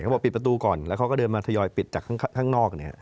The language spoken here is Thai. บอกปิดประตูก่อนแล้วเขาก็เดินมาทยอยปิดจากข้างนอก